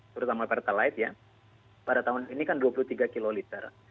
terutama pertalite ya pada tahun ini kan dua puluh tiga kiloliter